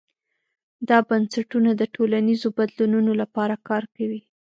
دا بنسټونه د ټولنیزو بدلونونو لپاره کار کوي.